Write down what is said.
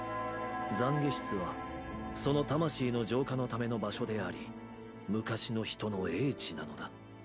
「懺悔室」はその魂の浄化のための場所であり昔の人の「叡知」なのだ。